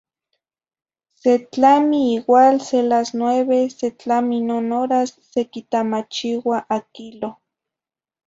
Setlami igual se las nueve, setlami non oras, sequitamachiua a quilo.